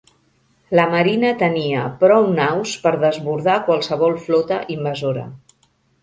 La marina tenia prou naus per desbordar qualsevol flota invasora.